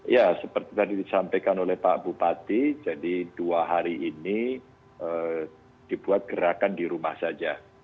ya seperti tadi disampaikan oleh pak bupati jadi dua hari ini dibuat gerakan di rumah saja